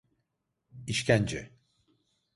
İşkence…